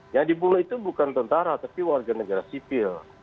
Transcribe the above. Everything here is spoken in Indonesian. yang dibunuh itu bukan tentara tapi warga negara sipil